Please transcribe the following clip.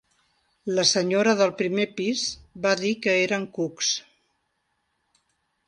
La senyora del primer pis va dir que eren cucs